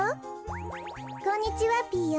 こんにちはピーヨン。